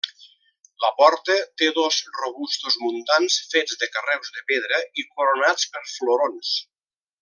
La porta té dos robustos muntants fets de carreus de pedra i coronats per florons.